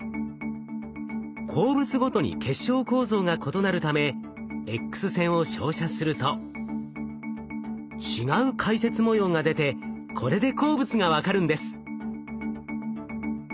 鉱物ごとに結晶構造が異なるためＸ線を照射すると違う回折模様が出てこれで鉱物が分かるんです。